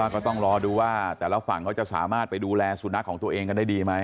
ก็ต้องรอดูว่าแต่ละฝั่งเขาจะสามารถไปดูแลสุนัขของตัวเองกันได้ดีไหม